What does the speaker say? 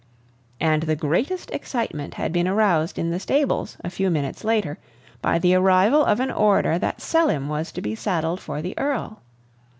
And the greatest excitement had been aroused in the stables a few minutes later by the arrival of an order that Selim was to be saddled for the Earl.